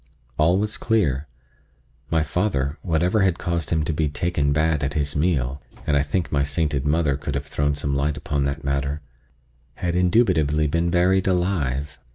All was clear. My father, whatever had caused him to be "taken bad" at his meal (and I think my sainted mother could have thrown some light upon that matter) had indubitably been buried alive.